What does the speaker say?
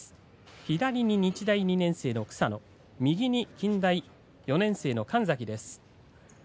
左に日大２年生の草野右に近大４年生の神崎です。